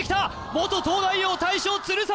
元東大王大将鶴崎！